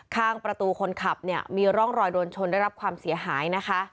ข้างประตูคนขับเนี่ยมีร่องรอยโดนชนได้รับความเสียหายนะคะ